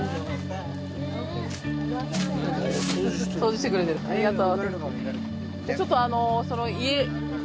掃除してくれてる、ありがとう。